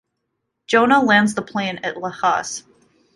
Jonah lands the plane at Lajes.